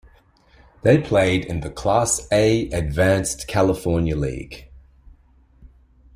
They played in the Class A-Advanced California League.